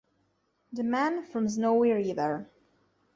The Man from Snowy River